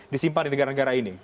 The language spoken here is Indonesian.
disimpan di negara negara ini